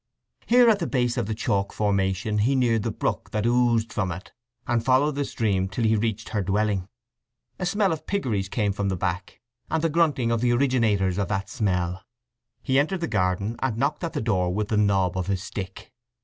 Here at the base of the chalk formation he neared the brook that oozed from it, and followed the stream till he reached her dwelling. A smell of piggeries came from the back, and the grunting of the originators of that smell. He entered the garden, and knocked at the door with the knob of his stick.